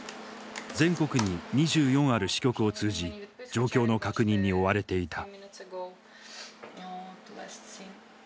全国に２４ある支局を通じ状況の確認に追われていた。